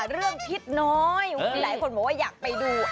พิษน้อยหลายคนบอกว่าอยากไปดู